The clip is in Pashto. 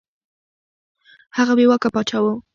هغه بې واکه پاچا وو.